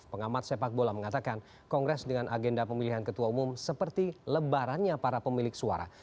pengamat sepak bola mengatakan kongres dengan agenda pemilihan ketua umum seperti lebarannya para pemilik suara